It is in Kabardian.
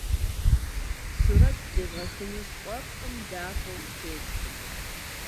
Сурэт зытрезгъэхыну сфӏэфӏкъым, дахэу стекӏкъым.